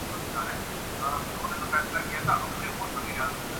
London sports ڈیسکا